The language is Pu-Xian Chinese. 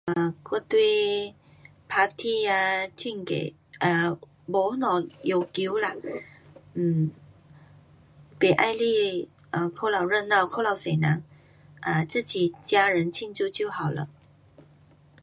um 我对 Party 啊庆祝的 um 没什么要求啦，um 不喜欢过头热闹，过头多人，um 自己家人庆祝就好了。